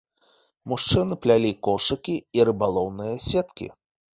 Мужчыны плялі кошыкі і рыбалоўныя сеткі.